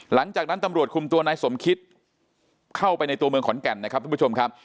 หลังจากนั้นตำรวจคุมตัวนายสมคิตเข้าไปในตัวเมืองขอนแก่นนะครับทุกผู้ชมครับ